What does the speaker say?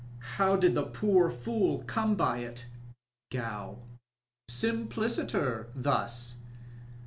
How did the poor fool come by it ? Gow. — Simpliciter thus.